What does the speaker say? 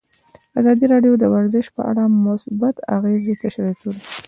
ازادي راډیو د ورزش په اړه مثبت اغېزې تشریح کړي.